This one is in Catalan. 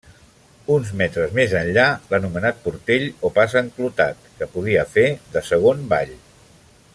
Uns metres més enllà, l'anomenat Portell o pas enclotat que podia fer de segon vall.